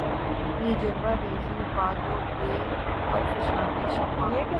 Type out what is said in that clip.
بہ جلوہ ریـزئ باد و بہ پرفشانیِ شمع